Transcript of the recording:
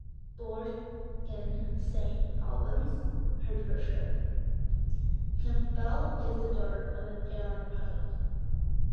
Born in Saint Albans, Hertfordshire, Campbell is the daughter of an airline pilot.